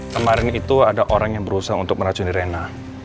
kemarin itu ada orang yang berusaha untuk meracuni rena